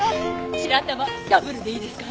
白玉ダブルでいいですか？